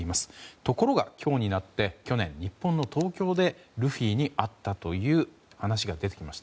ところが今日になって去年、日本の東京でルフィに会ったという話が出てきました。